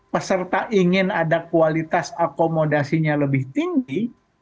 peserta ingin ada kualitas akomodasinya lebih tinggi